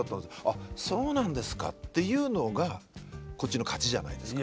あそうなんですかっていうのがこっちの勝ちじゃないですか。